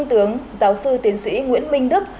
tiến sĩ nguyễn minh đức